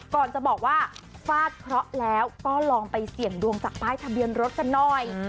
ก่อนจะบอกว่าฟาดเคราะห์แล้วก็ลองไปเสี่ยงดวงจากป้ายทะเบียนรถกันหน่อย